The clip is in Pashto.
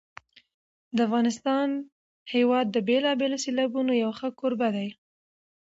د افغانستان هېواد د بېلابېلو سیلابونو یو ښه کوربه دی.